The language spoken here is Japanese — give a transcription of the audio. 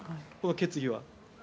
この決議は。